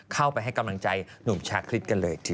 เข้าไปให้กำลังใจหนุ่มชาคลิตกันเลย